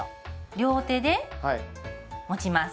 両手で持ちます。